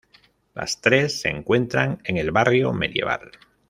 Las tres se encuentran en el barrio medieval.